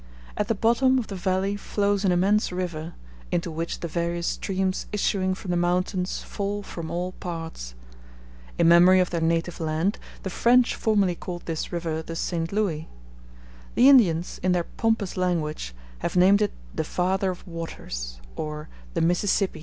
At the bottom of the valley flows an immense river, into which the various streams issuing from the mountains fall from all parts. In memory of their native land, the French formerly called this river the St. Louis. The Indians, in their pompous language, have named it the Father of Waters, or the Mississippi.